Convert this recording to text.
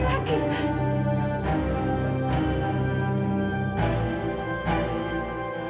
dia tidak akan lakukan perbuatan ini lagi